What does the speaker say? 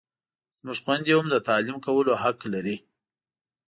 زموږ خویندې هم د تعلیم کولو حق لري!